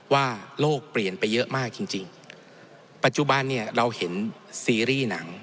ว่าโลกเปลี่ยนไปเยอะมากจริงจริงปัจจุบันเนี่ยเราเห็นซีรีส์หนัง